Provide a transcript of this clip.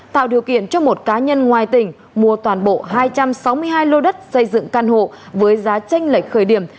tạo điều kiện cho một cá nhân ngoài tỉnh mua toàn bộ hai trăm sáu mươi hai lô đất xây dựng căn hộ với giá tranh lệch khởi điểm